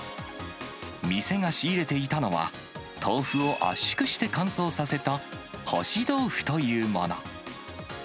店が仕入れていたのは、豆腐を圧縮して乾燥させた、干し豆腐というもの。